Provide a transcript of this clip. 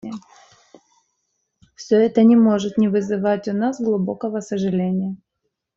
Все это не может не вызывать у нас глубокого сожаления.